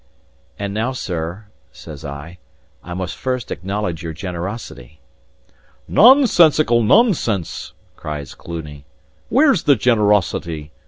"And now, sir," says I, "I must first acknowledge your generosity." "Nonsensical nonsense!" cries Cluny. "Where's the generosity?